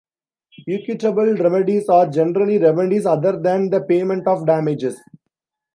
Equitable remedies are generally remedies other than the payment of damages.